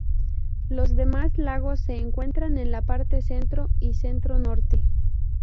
Los demás lagos se encuentran en la parte centro y centro-norte.